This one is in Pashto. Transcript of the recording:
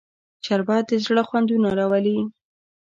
شربت د زړه خوندونه راولي